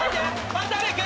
渡部君！